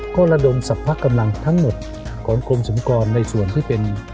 ก็ระดมสรรพกำลังทั้งหมดของกรมสุนกรในส่วนที่เป็น